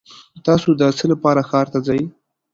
تاسو د څه لپاره ښار ته ځئ؟